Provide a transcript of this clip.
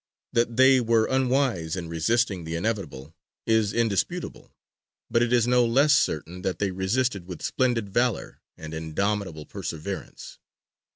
That they were unwise in resisting the inevitable is indisputable; but it is no less certain that they resisted with splendid valour and indomitable perseverance.